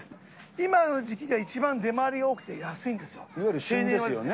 今の時期が一番、出回りが多くていわゆる旬ですよね。